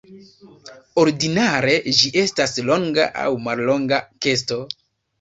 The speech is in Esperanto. Ordinare ĝi estas longa aŭ mallonga kesto.